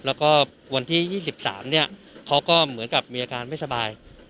แล้วก็วันที่๒๓เนี่ยเขาก็เหมือนกับมีอาการไม่สบาย